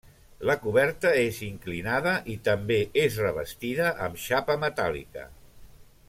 La coberta és inclinada i també és revestida, amb xapa metàl·lica.